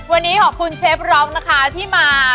วันนี้ขอบคุณเชฟร้องนะคะที่มา